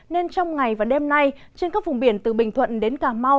nên trong ngày và đêm nay trên các vùng biển từ bình thuận đến cà mau